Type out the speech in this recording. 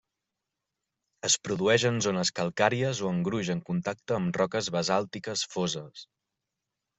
Es produeix en zones calcàries o en guix en contacte amb roques basàltiques foses.